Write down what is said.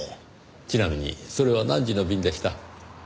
ちなみにそれは何時の便でした？